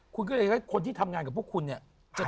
คุณก็เลยให้คนที่ทำงานกับพวกคุณเนี่ย